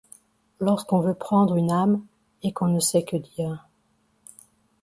Lorsqu'on veut prendre une âme et qu'on ne sait que dire ;